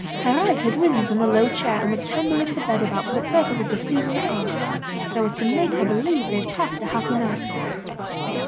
Thérèse had risen from the low chair, and was tumbling the bed about for the purpose of deceiving her aunt, so as to make her believe they had passed a happy night.